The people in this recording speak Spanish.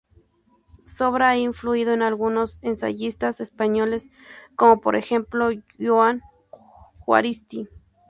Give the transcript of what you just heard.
Su obra ha influido en algunos ensayistas españoles, como por ejemplo Jon Juaristi.